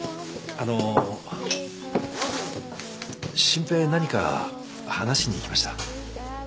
真平何か話しに行きました？